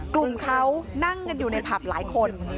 กลุ่มเขานั่งกันอยู่ในผับหลายคน